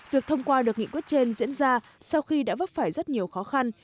việc thông qua được nghị quyết trên diễn ra sau khi đã vấp phải rất nhiều khó khăn